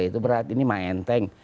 itu berat ini mah enteng